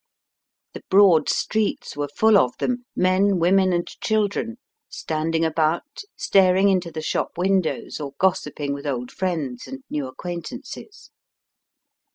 The broad streets were full of them — men, women, and children, standing about, staring into the shop windows, or gossiping with old friends and new ac quaintances.